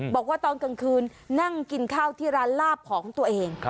บอกว่าตอนกลางคืนนั่งกินข้าวที่ร้านลาบของตัวเอง